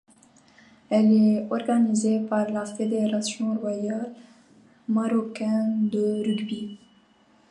Elle est organisée par la Fédération royale marocaine de rugby.